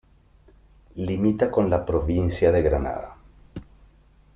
Limita con la provincia de Granada.